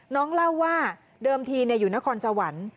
น้องเล่าว่าเดิมทีอยู่นครสวรรค์